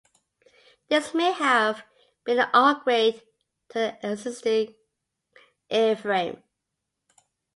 This may have been an upgrade to an existing airframe.